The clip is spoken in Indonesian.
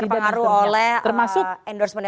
tidak terpengaruhi oleh endorsement nya pak jokowi